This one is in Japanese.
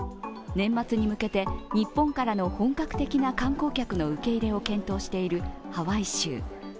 年末に向けて日本からの本格的な観光客の受け入れを検討しているハワイ州。